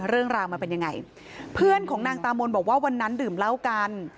เรื่องราวมันเป็นยังไงเพื่อนของนางตามนบอกว่าวันนั้นดื่มเหล้ากัน